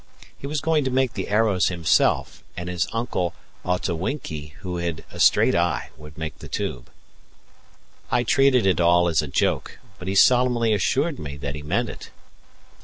He was going to make the arrows himself, and his uncle Otawinki, who had a straight eye, would make the tube. I treated it all as a joke, but he solemnly assured me that he meant it.